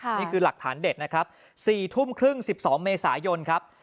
นี่คือหลักฐานเด็ดนะครับ๔ทุ่มครึ่ง๑๒เมษายนครับ